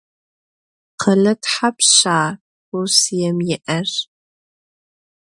Khele thapşşa Rossiêm yi'er?